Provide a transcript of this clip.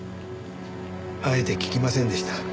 あえて聞きませんでした。